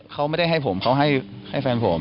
เขาไม่ได้ให้ผมเขาให้แฟนผม